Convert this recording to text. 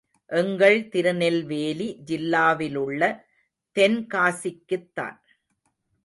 எங்கள் திருநெல்வேலி ஜில்லாவிலுள்ள தென் காசிக்குத்தான்.